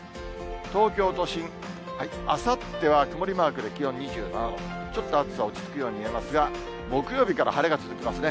東京都心、あさっては曇りマークで、気温２７度、ちょっと暑さ落ち着くように見えますが、木曜日から晴れが続きますね。